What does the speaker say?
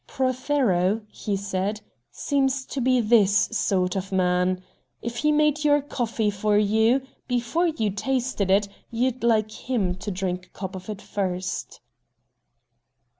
"Prothero," he said, "seems to be THIS sort of man. If he made your coffee for you, before you tasted it, you'd like him to drink a cup of it first."